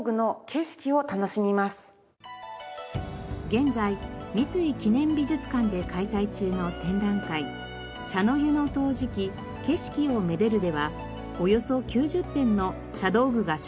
現在三井記念美術館で開催中の展覧会「茶の湯の陶磁器“景色”を愛でる」ではおよそ９０点の茶道具が紹介されています。